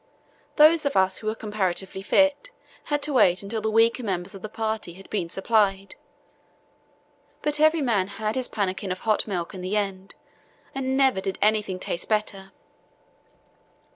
Those of us who were comparatively fit had to wait until the weaker members of the party had been supplied; but every man had his pannikin of hot milk in the end, and never did anything taste better.